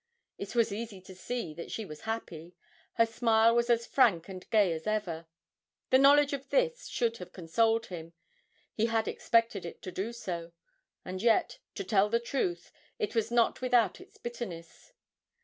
It was easy to see that she was happy her smile was as frank and gay as ever. The knowledge of this should have consoled him, he had expected it to do so, and yet, to tell the truth, it was not without its bitterness.